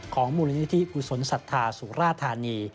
ของมูลนิธิกุศลศรัทธาสุราธานี